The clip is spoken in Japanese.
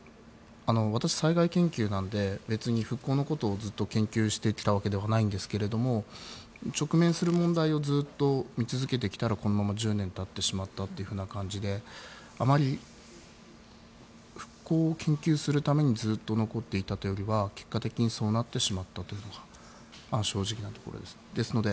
私、災害研究なので復興のことをずっと研究してきたわけではないんですけど直面する問題をずっと見続けてきたらそのまま１０年経ってしまった感じであまり復興を研究するためにずっと残っていたというよりは結果的にそうなってしまったというのが正直なところです。